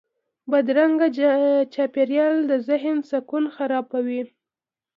بدرنګه چاپېریال د ذهن سکون خرابوي